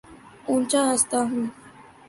اونچا ہنستا ہوں